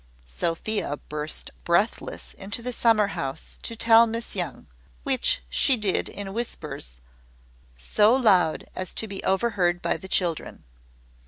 Sophia burst breathless into the summer house to tell Miss Young, which she did in whispers so loud as to be overheard by the children.